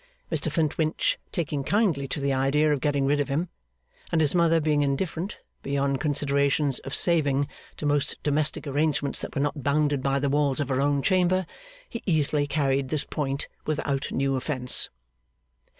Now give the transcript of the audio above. Mr Flintwinch taking kindly to the idea of getting rid of him, and his mother being indifferent, beyond considerations of saving, to most domestic arrangements that were not bounded by the walls of her own chamber, he easily carried this point without new offence.